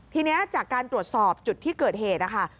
ทีนี้จากการตรวจสอบจุดที่เกิดเหตุนะคะ